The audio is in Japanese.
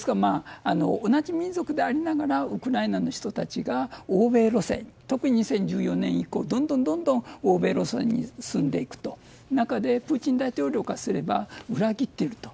同じ民族でありながらウクライナの人たちが、欧米路線特に２０１４年以降どんどん欧米路線に進んでいく中でプーチン大統領からすれば裏切っていると。